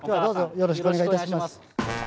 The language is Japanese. よろしくお願いします。